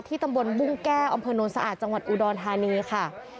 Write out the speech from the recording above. ตำบลบุ้งแก้วอำเภอโน้นสะอาดจังหวัดอุดรธานีค่ะ